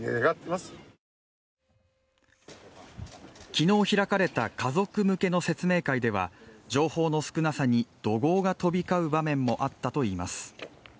昨日、開かれた家族向けの説明会では情報の少なさに怒号が飛び交う場面もあったといいます。